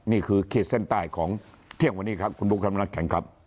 นี่คือขีดเส้นใต้ของเที่ยงวันนี้ครับคุณปุ๊กคัมฐานักแข่งครับ